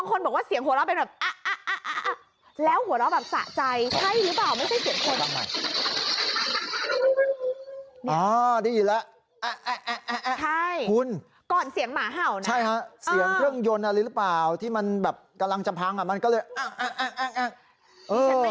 ก็เสียมาห่าวด้วยครับเสียงเครื่องยนต์อยู่รึเปล่าที่มันกำลังจะพล้ังกะมันก็เลย